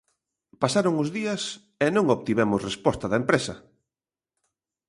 Pasaron os días e non obtivemos resposta da empresa.